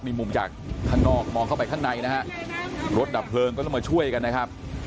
มีมุมจากข้างนอกมองเข้าไปข้างในนะฮะรถดับเพลิงก็ต้องมาช่วยกันนะครับ